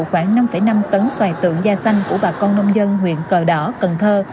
khoảng năm năm tấn xoài tượng da xanh của bà con nông dân huyện cờ đỏ cần thơ